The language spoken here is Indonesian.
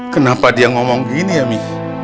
kenapa dia ngomong gini ya mi